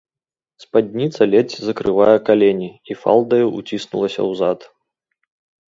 Спадніца ледзь закрывае калені і фалдаю ўціснулася ў зад.